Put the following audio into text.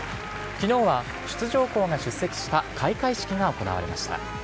きのうは出場校が出席した開会式が行われました。